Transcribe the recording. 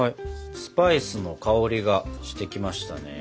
スパイスの香りがしてきましたね。